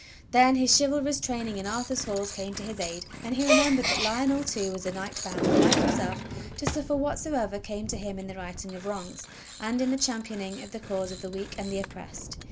Then his chivalrous train ing in Arthur's halls came to his aid, and he remembered that Lionel too was a knight bound, like himself, to suffer whatsoever came to him in the righting of wrongs, and in the championing of the cause of the weak and the oppressed.